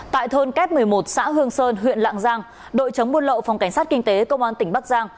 tại thôn kép một mươi một xã hương sơn huyện lạng giang đội chống buôn lậu phòng cảnh sát kinh tế công an tỉnh bắc giang